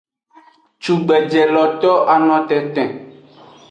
Cugbeje lo to ano tenten.